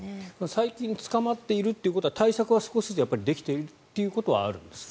最近、捕まっているということは対策は少しずつできているということはあるんですか。